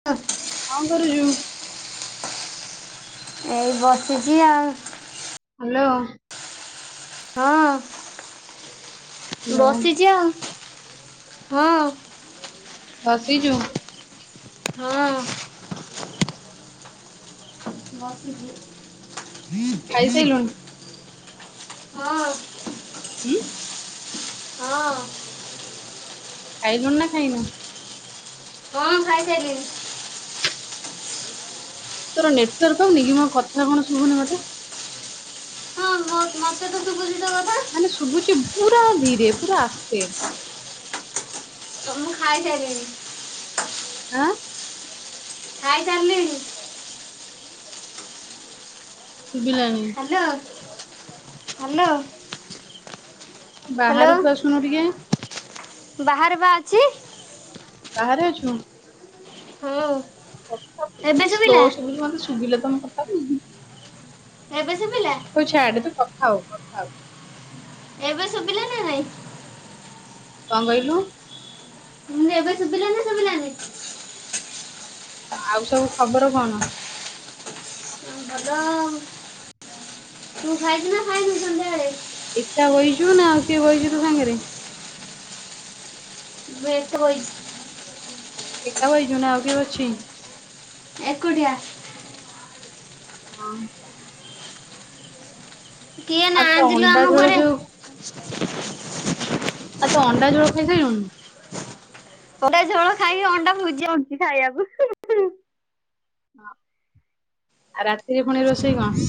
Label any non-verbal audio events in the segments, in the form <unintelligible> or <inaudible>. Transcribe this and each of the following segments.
<unintelligible> କଣ କରୁଚୁ? ଏଇ ବସିଚି ଆଉ ହ୍ୟାଲୋ। ହଁ ହ୍ୟାଲୋ ବସିଚି ଆଉ ହଁ। ବସିଚୁ? ହଁ। ଖାଇସାଇଲୁଣି? ବସିଚି। ହଁ। ଉଁ। ହଁ। ଖାଇଲୁଣି ନା ଖାଇନୁ? ହଁ ଖାଇସାଇଲିଣି। ତୋର ନେଟ୍ୱାର୍କ ପାଉନିକି ମୋ କଥା କଣ ଶୁବୁନି ମତେ। ହଁ- ହଁ-ହଁ ମତେ ତ ଶୁବୁଚି ତୋ କଥା। ମାନେ ଶୁଭୁଚି ପୁରା ଧୀରେ ପୁରା ଆସ୍ତେ। ଖାଇ ସାଇଲିଣି ଆଁ। ଖାଇ ସାଇଲିଣି। ଶୁବିଲାଣିି। Hello -hello. ବାହାରକୁ ଆସୁନୁ ଟିକେ। ବାହିରେ ପା ଅଛି। ବାହାରେ ଅଛୁ। ହଁ। ଏବେ ଶୁଭିଲା ସ୍ଲୋ ଶୁବିଲ ମାନେ ଶୁଭିଲେ ତ ମତେ କଥା ବି ଏବେ ଶୁବିଲା? ହଉ ଛାଆଡେ ତୁ କଥା ହ- କଥା ହ। ଏବେ ଶୁବିଲା ନା ନାଇଁ? କଣ୍ କହିଲୁ? ମାନେ ଏବେ ଶୁବିଲା ନା ଶୁବିଲାନି? ଆଉ ସବୁ ଖବର କଣ? ଭଲ ଆଉ ତୁ ଖାଇଚୁନା ଖାଇନୁ ସନ୍ଧ୍ୟାବେଳେ? ଏକା ବଇଚୁ ନା ଆଉ କିଏ ବଇଚି ତ ସାଙ୍ଗେରେ? ମୁଁ ଏକା ବଇଚି। ଏକା ବଇଚୁ ନା ଆଉ କିଏ ଅଛି? ଏକୁଟିଆ। ହଁ। କିଏ ଆଉ ତୋ ନାହାନ୍ତି ଲୋ ଅଣ୍ଡା ଆମ ଝୋଳ ଘରେ। ଯୋଉ ଆଉ ତୋ ଅଣ୍ଡା ଝୋଳ ଖାଇ ସାଇଲୁଣୁ? ପକେ ଝୋଳ ଖାଇକି ଅଣ୍ଡା ଭୁଜିଆ ଆଣୁଚି ଖାଇବାକୁ। ଆ-ରାତିରେ ଫୁଣି ରୋଷେଇ କଣ?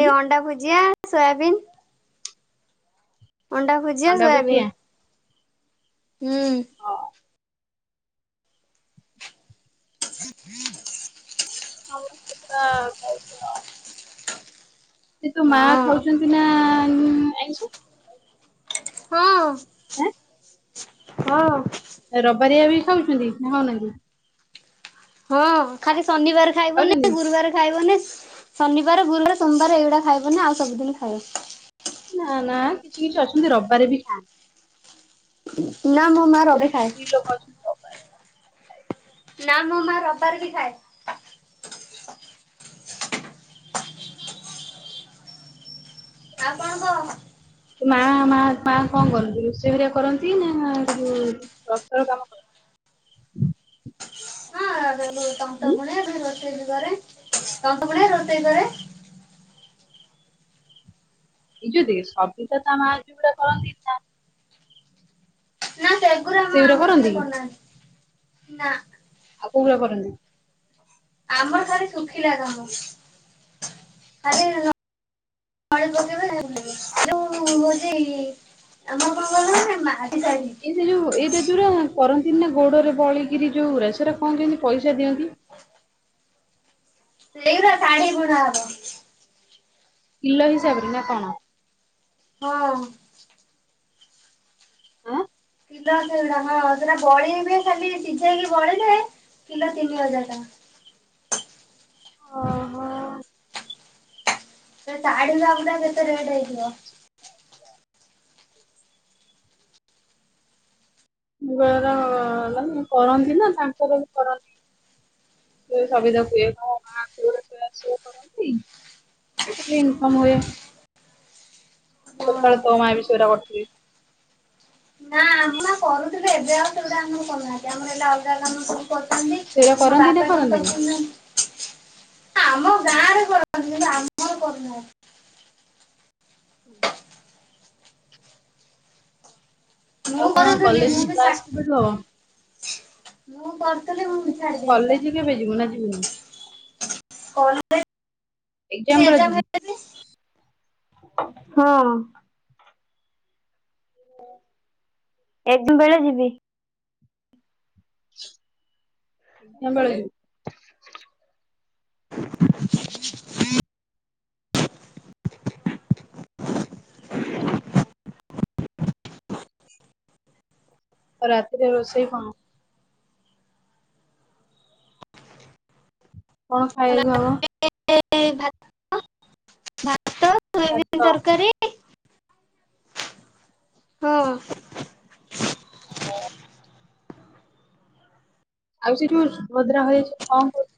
ଉଁ ଅଣ୍ଡା ଭୁଜିଆ, ସୋୟାବିନ୍ ଅଣ୍ଡା ଭୁଜିଆ, ସୋୟାବିନ୍ -ହୁଁ। ହଁ ସମସ୍ତେ ପୁରା-ଆ ଏ ତୋ ମା ହଁ ଖାଉଚନ୍ତି ନା ଆଇଁ-ଆଇଁଷ? ହଁ। ଏଁ। ହଁ। ରବାରିଆ ବି ଖାଉଚନ୍ତି ନା ଖାଉନାହାଁନ୍ତି? ହଁ ଖାଲି ଶନିବାର ଖାଉଛନ୍ତି ଖାଇବନି ଗୁରୁବାର ଖାଇବନି ଶନିବାର୍ ଗୁରୁବାର ସୋମବାର ଏଇଗୁଡା ଖାଇବନି ଆଉ ସବୁଦିନି ଖାଇବ। ନା- ନା କିଛି କିଛି ଅଛନ୍ତି ରବିବାରେ ବି ଖାଆନ୍ତି ନାଁ ମୋ ମାଁ ରବେ ଯେମିତି ଖାଏ। <inaudible> ନାଁ ମୋ ମା ରବିବାର ବି ଖାଏ ଆଉ କଣ କହ? ମା- ମା- ମା କଣ କରନ୍ତି ରୋଷେଇ ହେରିଆ କରନ୍ତି ନା ସେ ଯଉ <unintelligible> କାମ କରନ୍ତି। <unintelligible> ଉଁ ତନ୍ତ ବୁଣେ ରୋଷେଇ ବି କରେ ତନ୍ତ ବୁଣେ ରୋଷେଇ କରେ। ଏଇ ଯଉ ଦେ ସବିତା ତା ମାଁ ଯୋଉଗୁଡା କରନ୍ତି ନାଁ ସେଗୁରା ନାଁ ସେ ଆଉ କରନ୍ତି କି କରୁନାହାନ୍ତି ନା ଆଉ କୋଉଆ କରନ୍ତି। ଆମ ଠାରୁ ଶୁଖିଲା କାମ ଖାଲି ତଳେ ପକେଇବେ <unintelligible> ଇ-ଇ ଏଇ ଯୋଉ ଏଇରା ଯୋଉାରା କରନ୍ତି ନା ଗୋଡରେ ବଳିକିରି ଯୋଉ ଗୁରା ସେଟା କଣ କେମିତି ପଇସା ଦିଅନ୍ତି। ସେଇଗୁରା ଶାଢୀ ବୁଣା ହବ କିଲୋ ହିସାବରେ ନା କଣ? ହଁ। ଆଁ। କିଲୋ ସେଗୁଡ଼ାକ ହଁ ସେଟା ବଳିଇବେ ଖାଲି ସିଝେଇକି ବଳିଇଲେ କିଲୋ ତିନି ହଜାର ଟଙ୍କା ଅହୋ। ସେ ଶାଢୀ ଯବଟା କେତେ ରେଟ୍ ହେଇଥିବ। ଆଜ୍ଞା। <unintelligible> ର ମାନେ କରନ୍ତି ନା ତାଙ୍କର ବି କରନ୍ତି। ଏ ସବିତା କୁହେ ତ ମା ସିଏ ଗୋଟେ <unintelligible> ସିଏ କରନ୍ତି ସେଥି ଇନଫର୍ମ ହୁଏ ଯେତେବେଳେ ହଁ। ତୋ ମା ବି ସେଟା କରିଥିଲି। ନାଁ ଆମର କରୁଥିଲୁ ଏବେ ଆଉ ସେଗୁଟା ଆମର କରୁନାହାନ୍ତି ଆମର ହେଲା ଅଲଗା କାମ ସେଗୁରା ସବୁ ମୋ କରନ୍ତି ନା ବାପା ତନ୍ତ କରନ୍ତିନି? <unintelligible> ଏ ଆମ ଗାଁରେ କରନ୍ତି କିନ୍ତୁ ଆମର କରୁନାହାନ୍ତି। ହୁଁ ଆଉ ମୁଁ କଣ କରୁଥିଲି ମୁଁ କଲେଜ ବି ଛା କ୍ଲାସ କେବେ ଠୁ ହବ। ମୁଁ କରୁଥିଲି ମୁଁ ତୁ ବି ତୁ ଛାଡି ଦେଇଛି ପୁରା କଲେଜ କେବେ ଯିବୁ ନାଁ ଯିବ ହୁଁ। ଏକ୍ଜାମ ବେଳେ ଯିବୁ? <unintelligible> ହଁ। ଏକ୍ସାମ୍ ବେଳେ ଯିବି। ଏକ୍ସାମ ବେଳେ। <inaudible> <unintelligible> ଆଉ ରାତିରେ ରୋଷେଇ କଣ? କଣ ଖାଇବାକୁ ହବ? ଏ ଭା ସୋୟାବିନ ଭାତ ତରକାରୀ ହଁ ଆଉ ସେ ଯୋଉ ସୁଭଦ୍ରା ହେଇଛି କଣ କରୁ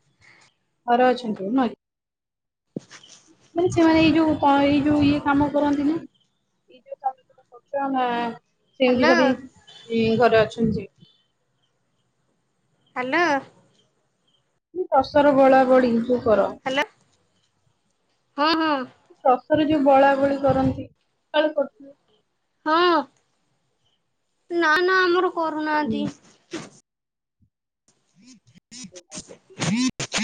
ଘରେ ଅଛନ୍ତି ନୁହେଁକି? ମାନେ ସେମାନେ ଏଇ ଯୋଉ କଣ ଏଇ ଯୋଉ ଇଏ କାମ କରନ୍ତି ନି? ଏଇ ଯୋଉ <unintelligible> କରୁଛ ନା ସେମିତି ହ୍ୟାଲୋ ଖାଲି ଘରେ ଅଛନ୍ତି? ହ୍ୟାଲୋ। ଟସର ବଳା ବଡି ତୁ କର। <unintelligible> ହ୍ୟାଲୋ ହଁ ହଁ। ଟସର ଯୋଉ ବଳାବଳି କରନ୍ତି ସକାଳୁ କରୁଥିଲେ ହଁ ନା ନା ଆମର ହୁଁ କରୁନାହାନ୍ତି। <inaudible>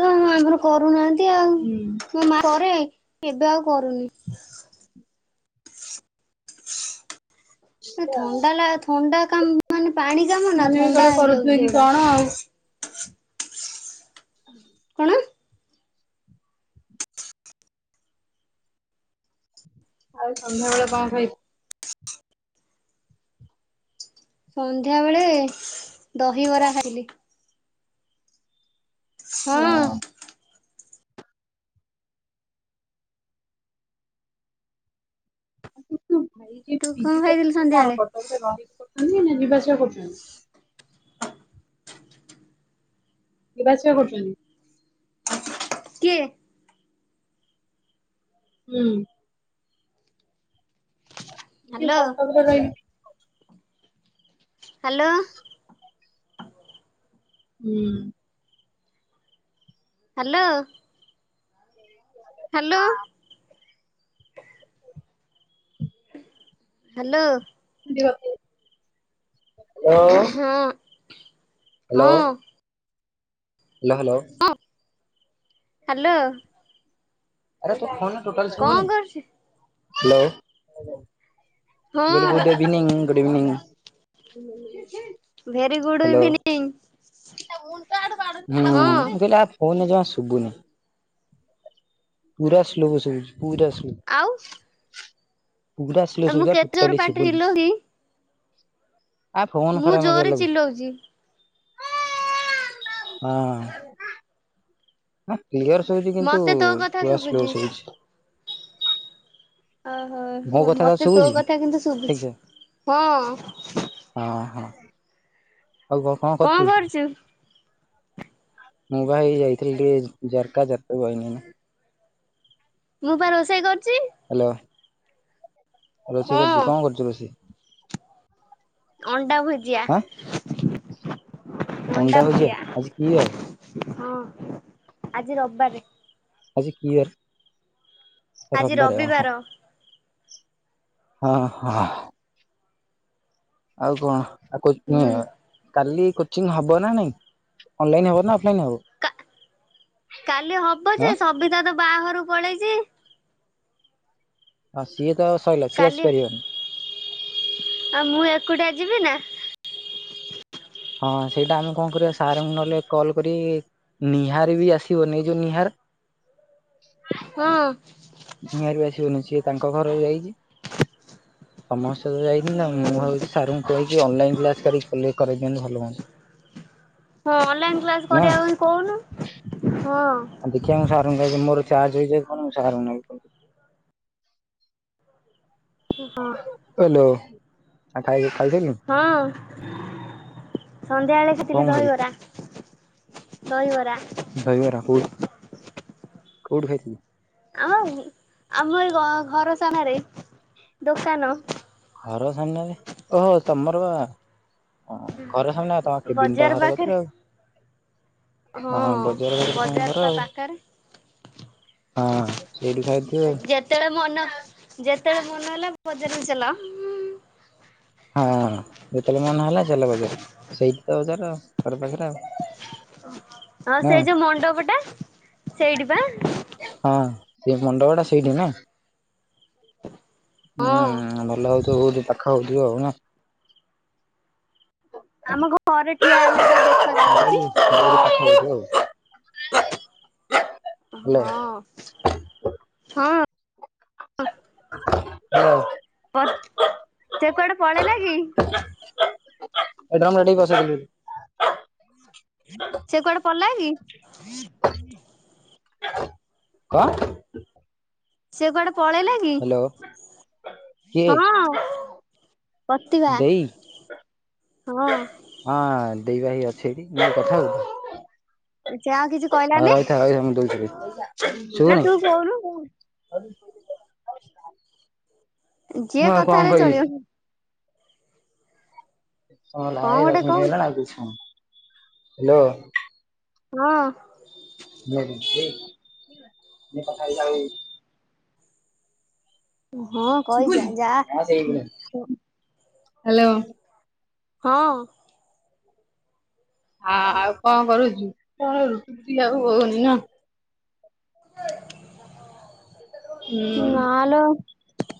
ତ ଆମର କରୁନାହାନ୍ତି ଆଉ ହୁଁ। ମୋ ମା କରେ ଏବେ ଆଉ କରୁନି। ନା ଥଣ୍ଡା ଲାଗେ ଥଣ୍ଡା କାମ ମାନେ ପାଣି କାମ ନା ସେମାନେ ବି ଥଣ୍ଡା କାଳେ ହେଇଯାଉଛି କରୁଥିବେ କି ସେଗୁଡା। କଣ ଆଉ ହୁଁ। କଣ? ଆଉ ସନ୍ଧ୍ୟାବେଳେ କଣ ଖାଇଚୁ? ସନ୍ଧ୍ୟାବେଳେ ଦହିବରା ଖାଇଲି। ହଁ। କିନ୍ତୁ ଭାଇ ଯିଏ ତୁ କଣ ପିଜି ଖାଇଥିଲୁ କରୁଚନ୍ତି ସେ କଣ ସନ୍ଧ୍ୟାବେଳେ? କଟକ ରେ ରହିକି କରୁଛନ୍ତି ନା ଯିବା ଆସିବା କରୁଚନ୍ତି। ଯିବାଆସିବା କରୁଚନ୍ତି। କିଏ? ହୁଁ। ଯିଏ ହ୍ୟାଲୋ କଟକ ରେ ରହିକି ପି ହ୍ୟାଲୋ। ହୁଁ। ହ୍ୟାଲୋ। ହ୍ୟାଲୋ। ହ୍ୟାଲୋ। ଦେହ କେମିତି ହ୍ୟାଲୋ। ହଁ ହଁ। Hello hello. ହ୍ୟାଲୋ। ଆରେ ତୋ ଫୋନ ରେ ଟୋଟାଲି କଣ ଶୁବୁନି କରୁଛୁ? ହ୍ୟାଲୋ। ମୁଁ କହିଲି ଗୁଡ ହଁ evening good evening. Very good hello evening ହଁ <unintelligible> ଫୋନ୍ ରେ ଜମା ଶୁବୁନି। ପୁରା ସ୍ଲୋ ଶୁବୁଛି ପୁରା ସ୍ଲୋ। ଆଉ। ପୁରା ସ୍ଲୋ ମୁଁ ଶୁବୁଚି ପା କେତେ ଜୋର ଟୋଟାଲି ପାଟିରେ ଶୁବୁନି। ଚିଲଉଛି ଆ ଫୋନ ମୁଁ ଖରାପ ମୋତେ ଜୋରରେ ଲାଗୁଚି ଚିଲଉଛି ହାଁ। କ୍ଲିୟର ଶୁବୁଚି କିନ୍ତୁ ମତେ ତୋ କଥା ପୁରା ସ୍ଲୋ ଶୁଭୁଛି। ଶୁବୁଚି। ଅ ମୋ ହ କଥା ତତେ ମତେ ତୋ ଶୁଭୁଛି କଥା କିନ୍ତୁ ଠିକ ସେ ଶୁଭୁଚି ହଁ। ହଁ ହଁ। ଆଉ କ କଣ କରୁଚୁ? ମୁଁ ପା ହେଇ ଯାଇଥିଲି ଟିକେ ଜାରକା ଜାରକା ରୁ ଆଇଲି ଏଇନା। ମୁଁ ପା ରୋଷେଇ କରୁଚି। ହାଲୋ। ରୋଷେଇ କରୁଚୁ ହଁ। କଣ କରିଚୁ ରୋଷେଇ? ଅଣ୍ଡା ଭୁଜିଆ ଆଁ ଅଣ୍ଡା ଭୁଜିଆ। ଆଜି କି ବାର ହଁ ଆଜି ରବିବାରେ। ଆଜି କି ବାରେ ଆଜି ରବିବାରେ ଅ ରବିବାର। ହଁ। ହଁ ହଁ। ଆଉ କଣ ହୁଁ। <unintelligible> କାଲି କୋଚିଂ ହବ ନା ନାଇଁ ଅନଲାଇନ୍ ହବ ନା ଅଫଲାଇନ୍ ହବ? କା କାଲି ହବ ଯେ ଆଁ ସବିତା ତ ବାହାଘରୁକୁ ପଳେଇଚି। ହଁ ସିଏ ତ ସଇଲା ସିଏ କାଲି ଆସି ପାରିବନି। ଆଉ ମୁଁ ଏକୁଟିଆ ଯିବି ନା? ହଁ ସେଇଟା ଆମେ କଣ କରିବା ସାରଙ୍କୁ ନହେଲେ କଲ୍ କରିକି ନିହାର୍ ବି ଆସିବନି ଏ ଯୋଉ ନିହାର। ହଁ। ନିହାର୍ ବି ଆସିବନି ସିଏ ତାଙ୍କ ଘରକୁ ଯାଇଛି। ସମସ୍ତେ ତ ଯାଇଛନ୍ତି ନା ମୁଁ ଆଉ ସାରଙ୍କୁ କହିକି ଅନଲାଇନ୍ କ୍ଲାସ୍ କରି କାଲି କରେଇ ଦିଅନ୍ତେ ଭଲ ହୁଅନ୍ତା। <inaudible> ହଁ ଅନଲାଇନ୍ କ୍ଲାସ୍ ନା। କରିବା ପାଇଁ କହୁନୁ ହଁ। ହଁ ଦେଖିବା ମୁଁ ସାରଙ୍କୁ କହି ଦେବି ମୋର ଚାର୍ଜ ହେଇଯାଉ ଫୋନ ମୁଁ ସାରଙ୍କୁ ନହେଲେ କଲ୍ କରିବି। ହଁ। ହ୍ୟାଲୋ ଆଉ ଖାଇ ଖାଇ ସାଇଲୁଣୁ? ହଁ ସନ୍ଧ୍ୟା ବେଳେ କଣ ଖାଇଥିଲି ଦହି ଖାଇଲୁ? ବରା। ଦହି ବରା। ଦହି ବରା କେଉଠୁ କେଉଠୁ ଖାଇ ଥିଲୁ? ଆମ ଆଉ ଆମ ଏ ଘ ଘର ସାମ୍ନାରେ ଦୋକାନ। ଘର ସାମ୍ନାରେ ଓଃ ହୋ ତମର୍ ବା ହଁ ଘର ସାମ୍ନାରେ ତମ କେବିନ୍ ଟା ବଜାର ଘର ପାଖରେ କତିରେ ଆଉ। ହଁ ହଁ ବଜାର ପାଖରେ ତମ ବଜାର ଘର ପା ଆଉ। ପାଖରେ। ହଁ ହଁ ସେଇଠୁ ଖାଇଥିବେ ଆଉ। ଯେତେବେଳେ ମନ ଯେତେବେଳେ ମନ ହେଲା ବଜାରକୁ ଚାଲ। ହଁ ଯେତେବେଳେ ମନ ହେଲା ଚାଲ ବଜାରକୁ ସେଇଠି ତ ବଜାର ଆଉ ଘର ପାଖରେ ଆଉ। ହ ନା ସେଇ ଯୋଉ ମଣ୍ଡପ ଟା ସେଇଠି ପା। ହଁ ସେ ଯୋଉ ମଣ୍ଡପ ଟା ସେଇଠି ନା? ହୁଁ ହଁ। ଭଲ୍ ଲାଗୁଥିବ ବୋହୁତ୍ ପାଖ ହୋଉଥିବା ଆଉ ନା? ଆମ ଘରେ ଠିଆ ହେଲେ ବା ଦେଖା ଯାଉଛି <unintelligible> <unintelligible> ହଁ ହଁ। <unintelligible> <unintelligible> ସେ କୁଆଡ଼େ ପଳେଇଲା କି? <unintelligible> ସେ କୁଆଡ଼େ ପଳେଇଲା କି? କଣ? ସେ କୁଆଡ଼େ ପଳେଇଲା କି? ହ୍ୟାଲୋ କିଏ ହଁ ପ୍ରତିଭା ଦେଇ ହଁ। ହଁ ଦେଇ ପା ହେଇ ଅଛି ଏଇଠି ଦେବି କଥା ହୋବୁ କି? <inaudible> ହଉ ରହିଥା ରହିଥା ମୁଁ ଦୋଉଚି ଦୋଉଚି। ନା ତୁ କହୁନୁ ମୁଁ। <unintelligible> ମୁଁ ଯିଏ ଆଉ କଣ କଥାରେ କହିବି ଚଳିବ। କଣ ଗୋଟେ କହ <inaudible> ହଲୋ ହଁ <inaudible> ହଁ, କିଛି ନାହିଁ ହ୍ୟାଲୋ ଦେଇ ମୁଁ କହିଯା ଯା। କଥା ହେଇକି ଆଉ ଶୁଭୁଛି ହଁ ସେଇ ହ୍ୟାଲୋ। ହଁ। ଆ ଆଉ କଣ କରୁଛୁ? କଣ ରୁଟି ଆଉ ହଉନି ନା? ହୁଁ ନାଲୋ।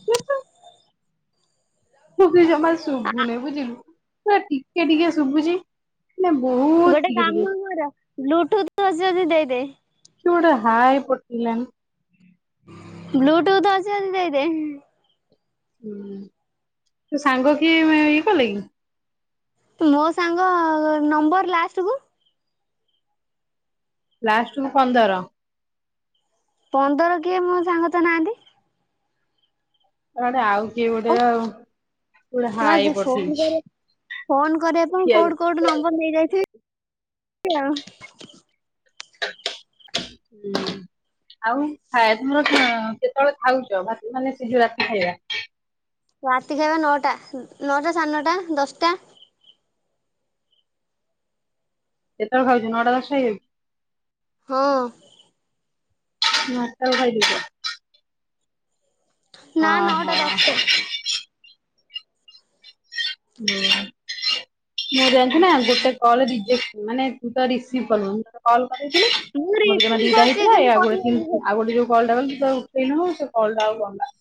ସେ ତ। ଜମା ଶୁଭୁନି ବୁଝିଲୁ। ପା ଟିକେ, ଟିକେ ଶୁଭୁଛି। ନା ବହୁତ <inaudible> ବ୍ଲୁଥୁଟ ଅଛି ଯଦି ଦେଇଦେ। କିଏ ଗୋଟେ ହାଏ ପଠେଇଲାଣି। ବ୍ଲୁଟୁଥ ଅଛି ଯଦି ଦେଇଦେ। ହୁଁ ତୁ ସାଙ୍ଗ କିଏ ଇଏ କଲେ କି? ମୋ ସାଙ୍ଗ ନମ୍ବର ଲାଷ୍ଟକୁୁ ଲାଷ୍ଟକୁ ପନ୍ଦର। ପନ୍ଦର କିଏ ମୋ ସାଙ୍ଗ ତ ନାହାନ୍ତି। ତାହେଲେ ଆଉ କିଏ ଗୋଟେ ହଁ ଆଉ ଗୋଟେ ଫୋନ ହାଏ ପଠେଇଛି। କରିବା ଫୋନ କରିବା ପାଇଁ କୋଉଠୁ ଖିଆକୁ କୋଉଠୁ ନମ୍ବର ନେଇ ଯାଇଥିବେ ଆଉ। ହୁଁ। ଆଉ ଖାଇଏବା ତମର କେତେବେଳେ ଖାଉଛ। ମାନେ ସେ ରାତି ଖାଇବା। ରାତି ଖାଇବା ନଅଟା। ନଅଟା, ସାଢେ ନଅଟା, ଦଶଟା। କେତେବେଳେ ଖାଉଛୁ? ନଅଟା ଦଶଟା ହେଇଯାଉଛି। ହଁ। ଭାତ ର ଖାଇ ଦେଇଛ। ନା ଓ ନଅଟା ହୋ। ଦଶଟା ହୁଁ। ମୁଁ ଜାଣିଛୁ ନା ଗୋଟେ କଲ ରେଜେକ୍ଟ। ମାନେ ତୁ ରିସିଭ କଲୁନି ନା। କଲ୍ କରିଇଥିଲି। ମୁଁ ମୋର ଜମା ରିସିଭ ଦିଟା କରିଛି ହେଇଥିଲା। ଏ କିନ୍ତୁ ଗୋ କଟି ଯାଇଛି। ଆ ଗୋଟେ ଯୋଉ କଲଟା କଲି ତୁ ତ ଉଠେ ନୁ ସେ କଲ ଟା ଆଉ ଗଲା।